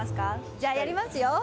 「じゃあやりますよ。